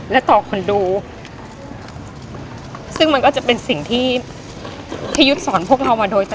และต่อคนดูซึ่งมันก็จะเป็นสิ่งที่พี่ยุทธ์สอนพวกเรามาโดยตลอด